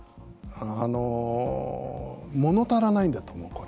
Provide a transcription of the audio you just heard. あのもの足らないんだと思うこれ。